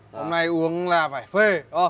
hôm nay uống là phải phê